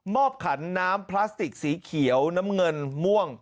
ขันน้ำพลาสติกสีเขียวน้ำเงินม่วง